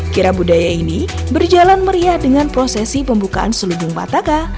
kira budaya ini berjalan meriah dengan prosesi pembukaan selubung bataka